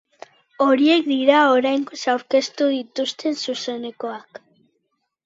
Horiek dira oraingoz aurkeztu dituzten zuzenekoak.